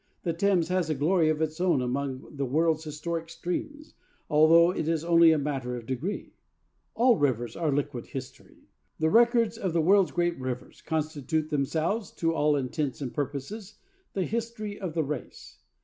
The Thames has a glory of its own among the world's historic streams, although it is only a matter of degree. All rivers are liquid history. The records of the world's great rivers constitute themselves, to all intents and purposes, the history of the race.